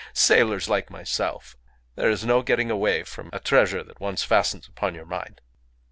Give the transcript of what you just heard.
Sailors like myself. There is no getting away from a treasure that once fastens upon your mind."